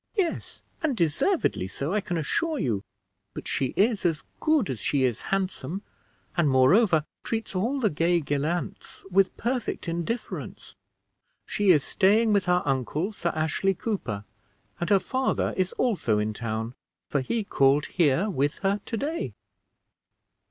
"Yes; and deservedly so, I can assure you; but she is as good as she is handsome, and, moreover, treats all the gay gallants with perfect indifference. She is staying with her uncle, Sir Ashley Cooper; and her father is also in town, for he called here with her to day."